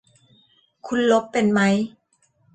คุณลบเป็นมั้ย